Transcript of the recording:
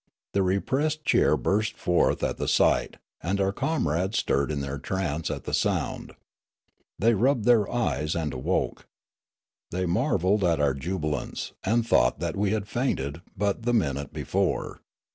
The repressed cheer burst forth at the sight, and our comrades stirred in their trance at the sound. They rubbed their eyes and awoke. They marvelled at our jubilance, and thought that they had fainted but the minute before.